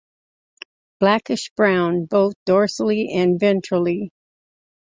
Blackish brown, both dorsally and ventrally.